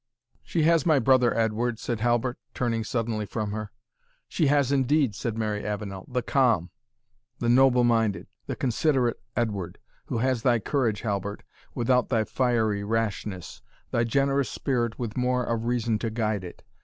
"She has my brother Edward," said Halbert, turning suddenly from her. "She has indeed," said Mary Avenel, "the calm, the noble minded, the considerate Edward, who has thy courage, Halbert, without thy fiery rashness, thy generous spirit, with more of reason to guide it.